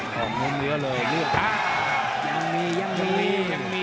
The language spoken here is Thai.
หมุมเยอะเลยเรื่อยครับ